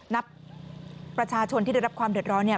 ประชาชนที่ได้รับความเดือดร้อนเนี่ย